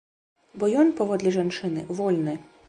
Бо ён, паводле жанчыны, вольны.